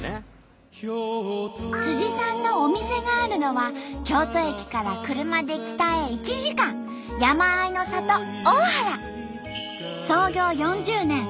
さんのお店があるのは京都駅から車で北へ１時間山あいの里大原。